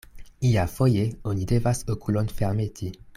Iafoje oni devas okulon fermeti.